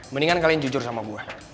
mendingan kalian jujur sama buah